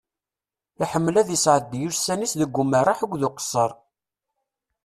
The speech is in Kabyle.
Iḥemmel ad isɛeddi ussan-is deg umerreḥ akked uqesser.